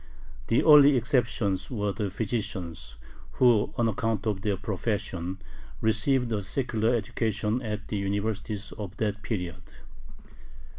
The only exceptions were the physicians, who, on account of their profession, received a secular education at the universities of that period.